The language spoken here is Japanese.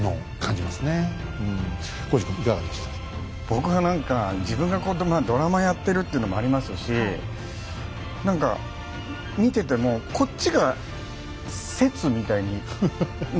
僕は何か自分がこうドラマやってるっていうのもありますし何か見ててもこっちが説みたいに見えちゃったりします。